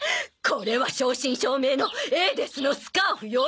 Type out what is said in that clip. これは正真正銘のエーデスのスカーフよ！